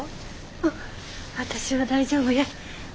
あっ私は大丈夫や。